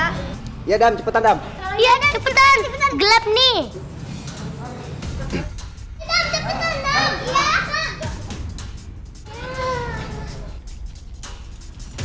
hai adam cepetan dan cepetan gelap nih